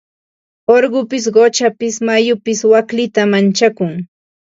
Urqupis quchapis mayupis waklita manchakun.